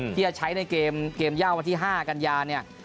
ที่จะใช้ในเกมเย่าวันที่๕กันยาเนี่ย